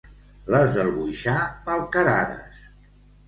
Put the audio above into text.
Les del Boixar, malcarades.